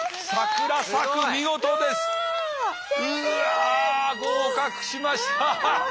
うわ合格しました。